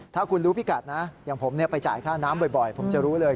ถ้าคุณรู้พิกัดนะอย่างผมไปจ่ายค่าน้ำบ่อยผมจะรู้เลย